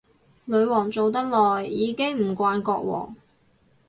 女皇做得耐，已經唔慣國王